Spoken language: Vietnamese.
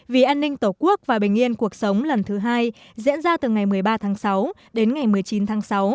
vì an ninh tổ quốc và bình yên cuộc sống lần thứ hai diễn ra từ ngày một mươi ba tháng sáu đến ngày một mươi chín tháng sáu